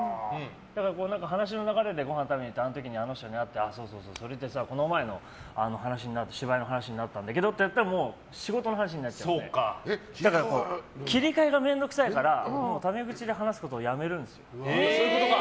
だから、話の流れでごはん食べに行って、あの時にあの人に会って、そうそうそれでこの前の芝居の話になったんだけどってなったら仕事の話になっちゃうので切り替えが面倒くさいからタメ口で話すことをやめるんです。